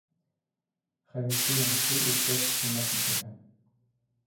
Хәмиткәйем, туй үткәс уйнаш итерһең.